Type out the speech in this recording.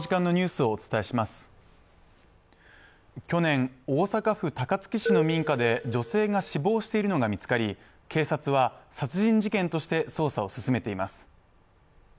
去年、大阪府高槻市の民家で女性が死亡しているのが見つかり、警察は殺人事件として捜査を進めています。